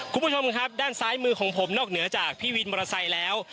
คุณผู้ชมครับด้านซ้ายมือของผมนอกเหนือจากพี่วินมอเตอร์ไซค์แล้ว